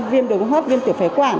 viêm đường hóa hấp viêm tiểu phế quản